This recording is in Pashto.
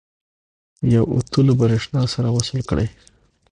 یو اوتو له برېښنا سره وصل کړئ.